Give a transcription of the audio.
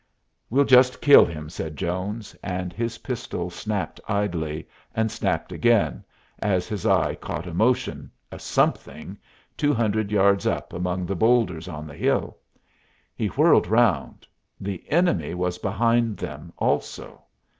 "We'll just kill him," said Jones; and his pistol snapped idly, and snapped again, as his eye caught a motion a something two hundred yards up among the bowlders on the hill. He whirled round. The enemy was behind them also.